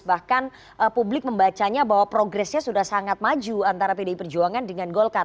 bahkan publik membacanya bahwa progresnya sudah sangat maju antara pdi perjuangan dengan golkar